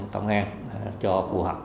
cho phù hợp